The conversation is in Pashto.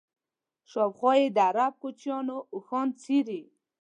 شاوخوا یې د عرب کوچیانو اوښان څري.